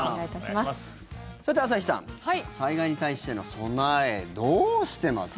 さて朝日さん災害に対しての備えどうしてます？